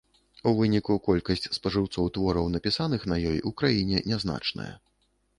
У выніку колькасць спажыўцоў твораў, напісаных на ёй, у краіне нязначная.